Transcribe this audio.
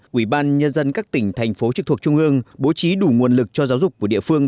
quỹ ban nhân dân các tỉnh thành phố trực thuộc trung ương bố trí đủ nguồn lực cho giáo dục của địa phương